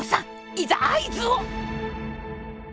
いざ合図を！